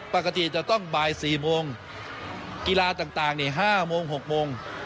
ปกติจะต้องบ่ายสี่โมงกีฬาต่างต่างเนี้ยห้าโมงหกโมง